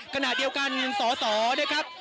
กระหน่าเดียวกันสอสอนะครับ